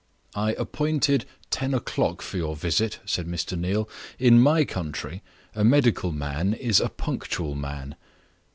"I appointed ten o'clock for your visit," said Mr. Neal. "In my country, a medical man is a punctual man."